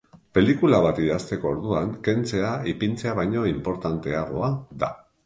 Pelikula bat idazteko orduan, kentzea ipintzea baino inportanteagoa da.